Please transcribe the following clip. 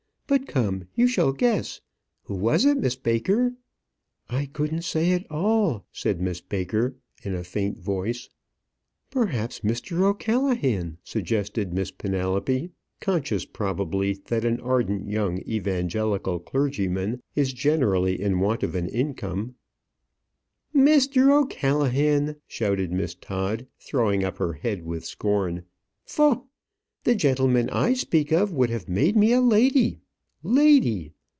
But, come, you shall guess. Who was it, Miss Baker?" "I couldn't say at all," said Miss Baker, in a faint voice. "Perhaps Mr. O'Callaghan," suggested Miss Penelope, conscious, probably, that an ardent young evangelical clergyman is generally in want of an income. "Mr. O'Callaghan!" shouted Miss Todd, throwing up her head with scorn. "Pho! The gentleman I speak of would have made me a lady. Lady